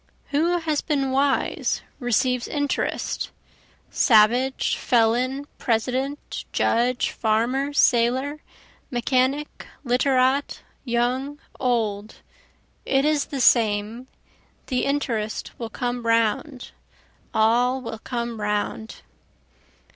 Who has been wise receives interest, Savage, felon, President, judge, farmer, sailor, mechanic, literat, young, old, it is the same, The interest will come round all will come round.